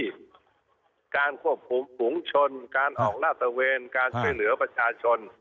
อยู่ฝ่ายทุนการพูดฝูงชนการออกหน้าตระเวลการช่วยเหลือกุชชาชน